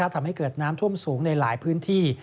ทำให้เกิดน้ำท่วมสูงในหลายพื้นที่